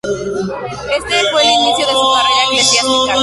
Ese fue el inicio de su carrera eclesiástica.